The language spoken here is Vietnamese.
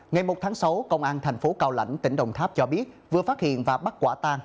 ngày một tháng sáu công an thành phố cao lãnh tỉnh đồng tháp cho biết vừa phát hiện và bắt quả tang